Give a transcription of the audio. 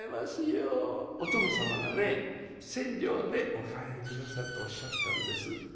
お殿様がね千両でお買い上げ下さるとおっしゃったんです」。